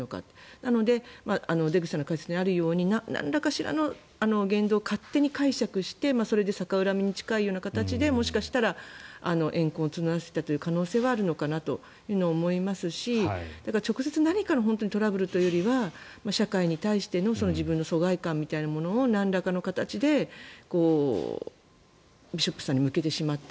なので出口さんの解説にあるように何かしらの言動を勝手に解釈してそれで逆恨みに近いような形でもしかしたらえん恨を募らせたという可能性はあるのかなと思いますし直接何かのトラブルというよりは社会に対しての自分の疎外感みたいなものをなんらかの形でビショップさんに向けてしまった。